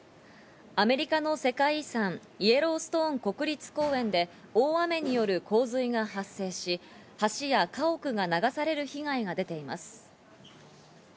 アメリカの世界遺産、イエローストーン国立公園で大雨による洪水が発生し、橋や家屋が流される被害が出ています。